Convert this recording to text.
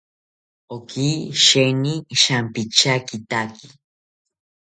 Oki sheeni shampityakitaki